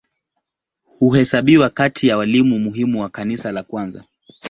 Huhesabiwa kati ya walimu muhimu wa Kanisa la kwanza.